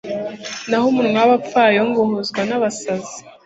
naho umunwa w’abapfayongo uhazwa n’ubusazi